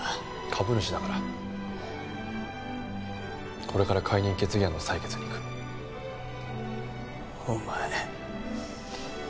株主だからこれから解任決議案の採決に行く。お前！